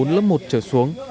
trường lớp một trở xuống